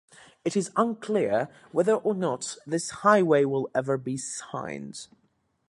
It is unclear whether or not this highway will ever be signed.